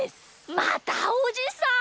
またおじさん？